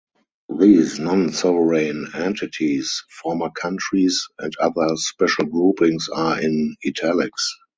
These non-sovereign entities, former countries and other special groupings are in "italics".